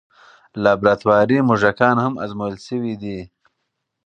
لابراتواري موږکان هم ازمویل شوي دي.